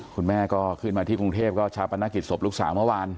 คุณแม่ก็ขึ้นมาที่กรุงเทพก็ชาปนกิจศพลูกสาวเมื่อวาน